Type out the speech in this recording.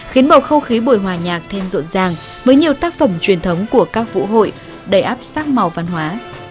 khiến bầu không khí buổi hòa nhạc thêm rộn ràng với nhiều tác phẩm truyền thống của các vũ hội đầy áp sắc màu văn hóa